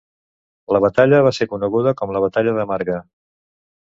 La batalla va ser coneguda com la Batalla de Marga.